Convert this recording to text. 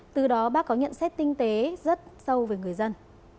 từ đó bác có nhận xét tinh tế rất sâu về người dân